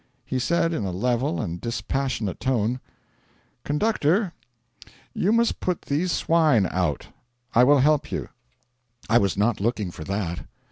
He said, in a level and dispassionate tone: 'Conductor, you must put these swine out. I will help you.' I was not looking for that.